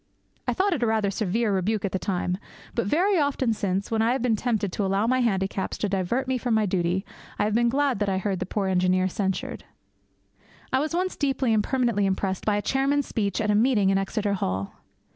I thought it rather a severe rebuke at the time, but very often since, when I have been tempted to allow my handicaps to divert me from my duty, I have been glad that I heard the poor engineer censured. I was once deeply and permanently impressed by a chairman's speech at a meeting in Exeter Hall.